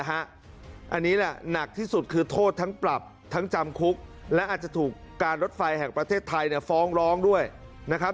อันนี้แหละหนักที่สุดคือโทษทั้งปรับทั้งจำคุกและอาจจะถูกการรถไฟแห่งประเทศไทยฟ้องร้องด้วยนะครับ